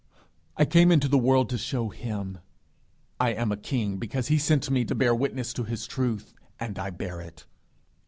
I came into the world to show him. I am a king because he sent me to bear witness to his truth, and I bear it.